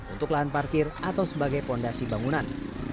untuk lahan parkir atau sebagai fondasi bangunan